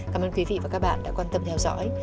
cảm ơn quý vị và các bạn đã quan tâm theo dõi